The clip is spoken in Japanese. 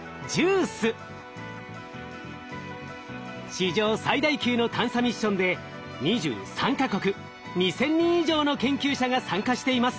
史上最大級の探査ミッションで２３か国２，０００人以上の研究者が参加しています。